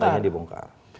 kalau yang ini dibongkar